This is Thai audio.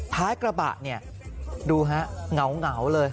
ท้ายกระบะเนี่ยดูฮะเหงาเลย